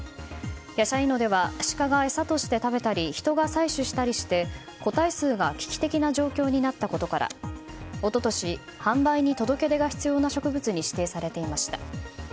ヤシャイノデはシカが餌として食べたり人が採取したりして個体数が危機的な状況になったことから一昨年、販売に届け出が必要な植物に指定されていました。